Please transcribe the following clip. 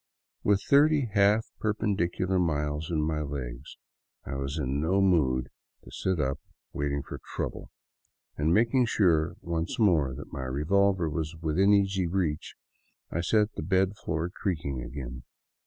With thirty half perpendicular miles in my legs I was in no mood to sit up waiting for trouble, and making sure once more that my revolver was within easy reach, I set the bed floor creaking again.